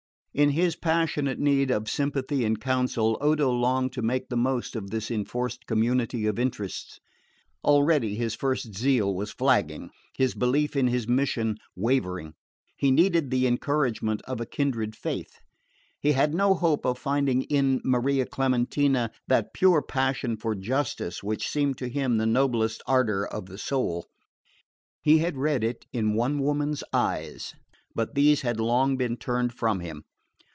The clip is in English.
In his passionate need of sympathy and counsel Odo longed to make the most of this enforced community of interests. Already his first zeal was flagging, his belief in his mission wavering: he needed the encouragement of a kindred faith. He had no hope of finding in Maria Clementina that pure passion for justice which seemed to him the noblest ardour of the soul. He had read it in one woman's eyes, but these had long been turned from him.